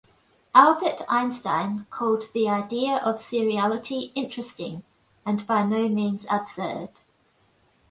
Albert Einstein called the idea of seriality interesting and by no means absurd.